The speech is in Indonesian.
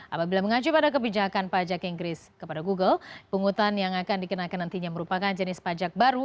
apabila mengacu pada kebijakan pajak inggris kepada google pungutan yang akan dikenakan nantinya merupakan jenis pajak baru